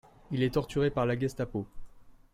Il est torturé par la Gestapo.